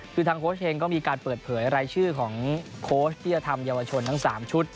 คือทางโค้ชเฮงก็มีการเปิดเผยรายชื่อของโค้ชที่จะทำเยาวชนทั้ง๓ชุด